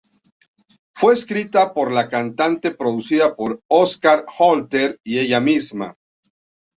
Fue escrita por la cantante y producida por Oscar Holter y ella misma.